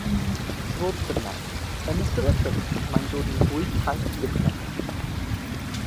Fodd bynnag, yn ystod y ffilm mae'n dod yn fwy caeth fyth na hi.